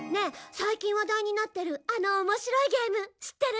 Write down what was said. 最近話題になってるあの面白いゲーム知ってる？